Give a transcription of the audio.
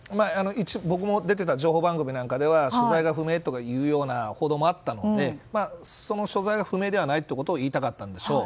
僕も出ていた情報番組なんかでは所在が不明とかいうような報道もあったのでその所在が不明ではないということを言いたかったんでしょう。